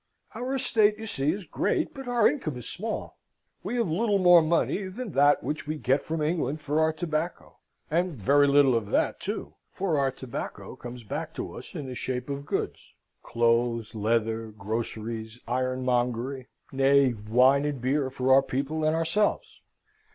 "Our estate, you see, is great, but our income is small. We have little more money than that which we get from England for our tobacco and very little of that too for our tobacco comes back to us in the shape of goods, clothes, leather, groceries, ironmongery, nay, wine and beer for our people and ourselves.